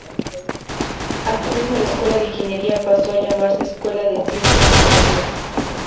Así mismo la Escuela de Ingeniería pasó a llamarse Escuela de Ciencia e Ingeniería.